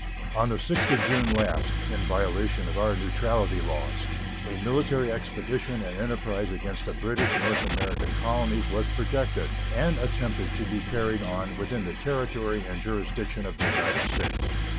On the 6th of June last, in violation of our neutrality laws, a military expedition and enterprise against the British North American colonies was projected and attempted to be carried on within the territory and jurisdiction of the United States.